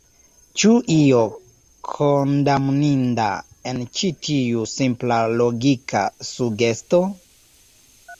Ĉu io kondamninda en ĉi tiu simpla logika sugesto?